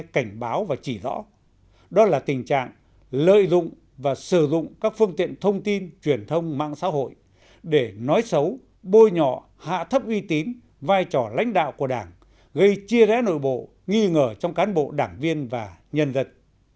cảnh báo và chỉ rõ đó là tình trạng lợi dụng và sử dụng các phương tiện thông tin truyền thông mạng xã hội để nói xấu bôi nhọ hạ thấp uy tín vai trò lãnh đạo của đảng gây chia rẽ nội bộ nghi ngờ trong cán bộ đảng viên và nhân dân